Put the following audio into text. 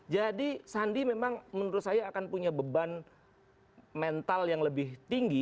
jadi sandi memang menurut saya akan punya beban mental yang lebih tinggi